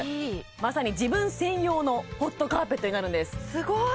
まさに自分専用のホットカーペットになるんですすごい！